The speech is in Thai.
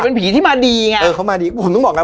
เป็นผีที่มาดีไงเออเขามาดีผมต้องบอกไง